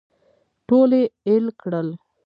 ټول یې اېل کړل.